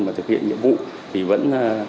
mà thực hiện nhiệm vụ thì vẫn